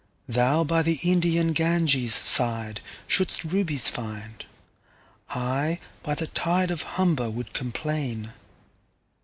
Thou by the Indian Ganges sideShould'st Rubies find: I by the TideOf Humber would complain.